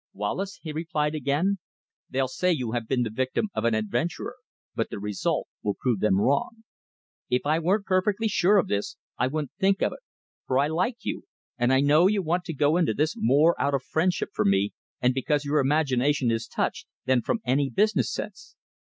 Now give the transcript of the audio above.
"Wallace," he replied again, "they'll say you have been the victim of an adventurer, but the result will prove them wrong. If I weren't perfectly sure of this, I wouldn't think of it, for I like you, and I know you want to go into this more out of friendship for me and because your imagination is touched, than from any business sense.